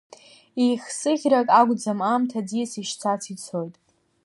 Еихсыӷьрак ақәӡам, аамҭа аӡиас ишцац ицоит.